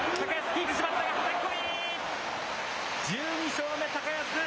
１２勝目、高安。